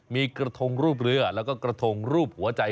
มีกระทงรูปเรือแล้วก็กระทงรูปหัวใจ